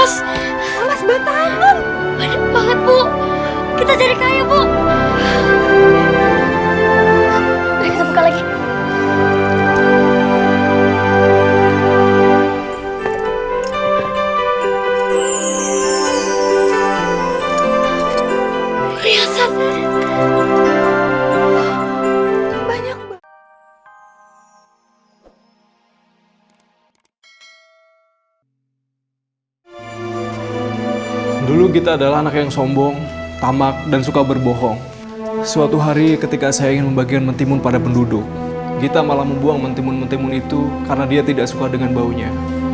sampai jumpa di video selanjutnya